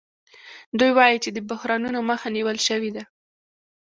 دوی وايي چې د بحرانونو مخه نیول شوې ده